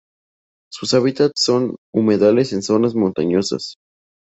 Su hábitats son los humedales de zonas montañosas.